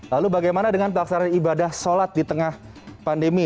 lalu bagaimana dengan pelaksanaan ibadah sholat di tengah pandemi